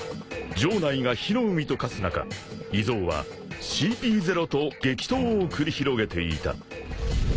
［城内が火の海と化す中イゾウはＣＰ０と激闘を繰り広げていた］